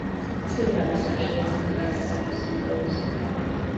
The speed limit on this section is and has several steep hills.